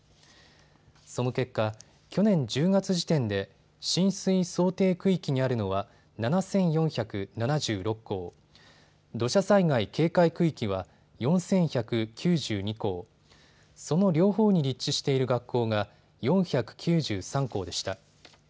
その結果、去年１０月時点で浸水想定区域にあるのは７４７６校、土砂災害警戒区域は４１９２校、その両方に立地している学校が４９３校でした。